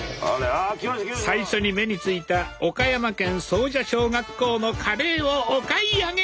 最初に目についた岡山県総社小学校のカレーをお買い上げ！